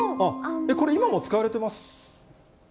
これ、今も使われてます？